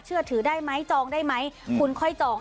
เชื่อถือได้ไหมจองได้ไหมคุณค่อยจอง